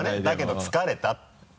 だけど疲れた。